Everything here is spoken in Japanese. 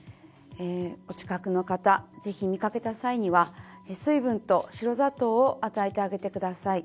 お近くの方ぜひ見かけた際には水分と白砂糖を与えてあげてください。